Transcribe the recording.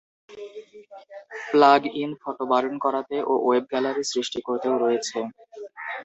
Plug-in photo burn করাতে ও web gallery সৃষ্টি করতেও রয়েছে।